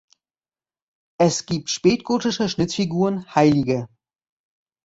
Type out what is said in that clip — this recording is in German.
Es gibt spätgotische Schnitzfiguren hl.